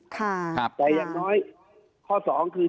แต่อย่างน้อยข้อสองคือ